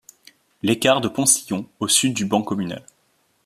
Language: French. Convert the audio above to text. L’écart de Poncillon au sud du ban communal.